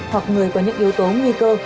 hoặc người có những yếu tố nguy cơ